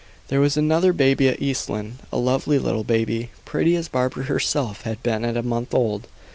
There was another baby at East Lynne, a lovely little baby, pretty as Barbara herself had been at a month old.